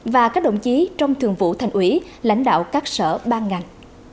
và các đồng chí trong thường vụ thành ủy lãnh đạo các sở ban ngành